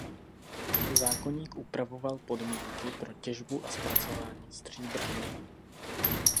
Zákoník upravoval podmínky pro těžbu a zpracování stříbra.